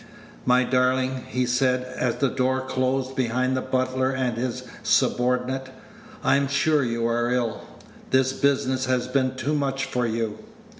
"My darling," he said, as the door closed behind the butler and his subordinate, "I am Page 171 sure you are ill. This business has been too much for you."